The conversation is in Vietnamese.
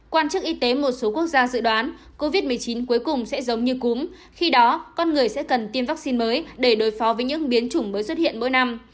quan chức y tế một số quốc gia dự đoán covid một mươi chín cuối cùng sẽ giống như cúm khi đó con người sẽ cần tiêm vaccine mới để đối phó với những biến chủng mới xuất hiện mỗi năm